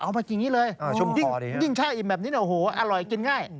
เอามากินนี้เลยยิ่งช่ายิมแบบนี้อร่อยกินง่าย